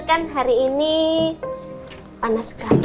kan hari ini panas sekali